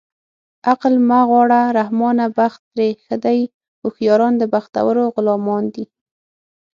عقل مه غواړه رحمانه بخت ترې ښه دی هوښیاران د بختورو غلامان دي